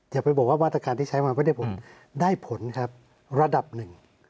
อย่าไปบอกว่ามาตรการที่ใช้มาไม่ได้ผลได้ผลครับระดับหนึ่ง